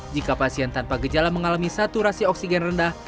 jika pasien tanpa gejala mengalami saturasi oksigen rendah